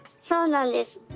そうなんです。